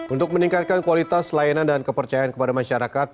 untuk meningkatkan kualitas layanan dan kepercayaan kepada masyarakat